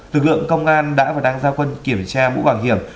lực lượng công an đã và đang gia quân kiểm tra mũ bảo hiểm